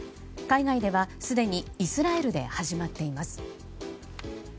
海外では、すでにイスラエルで始まっています。